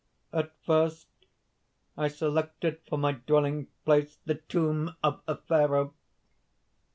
"At first, I selected for my dwelling place, the tomb of a Pharaoh.